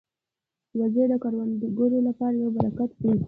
وزې د کروندګرو لپاره یو برکت دي